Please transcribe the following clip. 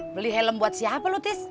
beli helm buat siapa lu tis